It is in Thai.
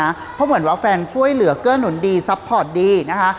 เพราะเหมือนว่าแฟนช่วยเหลือเกื้อหนุนดีซัพพอร์ตดีนะคะ